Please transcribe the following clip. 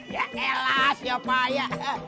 ya elas ya payah